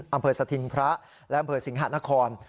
อำเภอสถิงพระและอำเภอสิงหะนคร